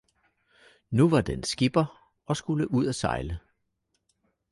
Nu var den skipper og skulle ud at sejle